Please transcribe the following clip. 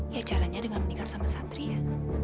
ya caranya dengan menikah sama santria